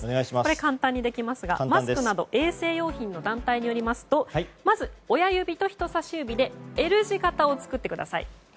簡単にできますがマスクなど衛生用品の団体によりますとまず、親指と人さし指でＬ字形を作ってください。